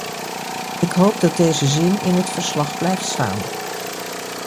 Ik hoop dat deze zin in het verslag blijft staan.